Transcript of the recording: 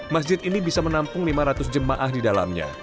masjid ini bisa menampung lima ratus jemaah di dalamnya